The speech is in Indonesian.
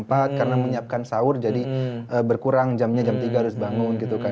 karena menyiapkan sahur jadi berkurang jamnya jam tiga harus bangun gitu kan